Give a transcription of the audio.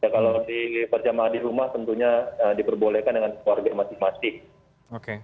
kalau di perjamaah di rumah tentunya diperbolehkan dengan keluarga masing masing